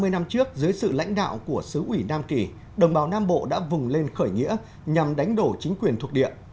sáu mươi năm trước dưới sự lãnh đạo của sứ ủy nam kỳ đồng bào nam bộ đã vùng lên khởi nghĩa nhằm đánh đổ chính quyền thuộc địa